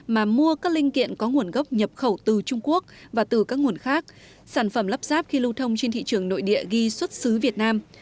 mà mua các linh kiện có nguồn gốc nhập khẩu từ trung quốc và từ các nguồn khác sản phẩm lắp ráp khi lưu thông trên thị trường nội địa ghi xuất xứ việt nam